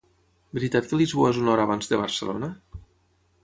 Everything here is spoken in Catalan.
Veritat que Lisboa és una hora abans de Barcelona?